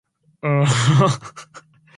They went two down inside the first ten minutes.